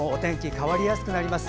変わりやすくなります。